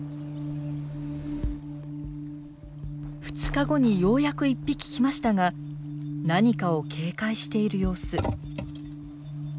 ２日後にようやく１匹来ましたが何かを警戒している様子。